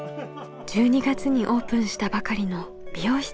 １２月にオープンしたばかりの美容室。